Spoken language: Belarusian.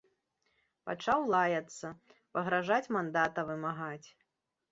Пачаў лаяцца, пагражаць, мандата вымагаць.